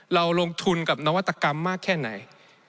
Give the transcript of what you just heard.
เราลงทุนกับนวัตกรรมมากแค่ไหน